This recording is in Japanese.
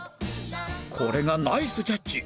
これがナイスジャッジ！